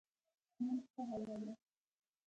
نن ښه هوا ده